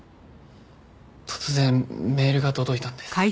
突然メールが届いたんです。